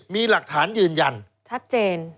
มีหลักฐานยืนยันชัดเจน